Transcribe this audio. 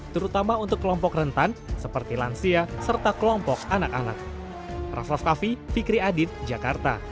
terutama untuk kelompok rentan seperti lansia serta kelompok anak anak